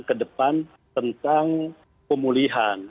ke depan tentang pemulihan